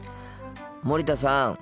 森田さん。